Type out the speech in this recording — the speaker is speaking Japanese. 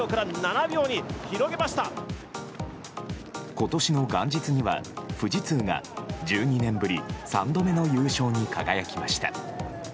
今年の元日には富士通が１２年ぶり３度目の優勝に輝きました。